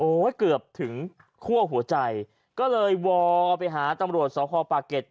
เกือบถึงคั่วหัวใจก็เลยวอลไปหาตำรวจสพปากเก็ต